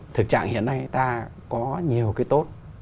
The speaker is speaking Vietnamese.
thực trạng hiện nay ta có nhiều cái tốt